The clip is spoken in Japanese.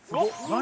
何？